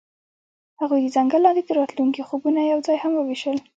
هغوی د ځنګل لاندې د راتلونکي خوبونه یوځای هم وویشل.